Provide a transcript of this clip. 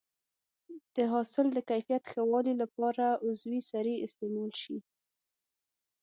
د حاصل د کیفیت ښه والي لپاره عضوي سرې استعمال شي.